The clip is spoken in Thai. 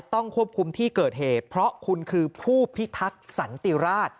ต้องควบคุมที่เกิดเหตุเพราะคุณคือผู้พิทักษ์สันติราช